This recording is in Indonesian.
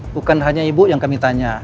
bukan hanya ibu yang kami tanya